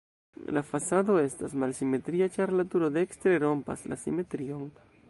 La fasado estas malsimetria, ĉar la turo dekstre rompas la simetrion.